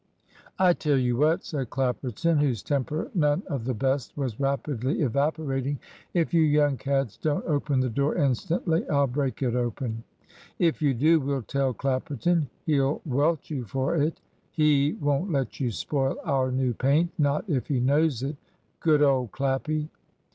"I tell you what," said Clapperton, whose temper, none of the best, was rapidly evaporating, "if you young cads don't open the door instantly, I'll break it open." "If you do, we'll tell Clapperton. He'll welt you for it. He won't let you spoil our new paint, not if he knows it. Good old Clappy?"